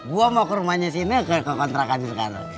gue mau ke rumahnya sini ke kontrakan sekarang